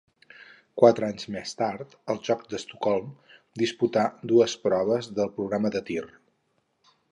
Quatre anys més tard, als Jocs d'Estocolm, disputà dues proves del programa de tir.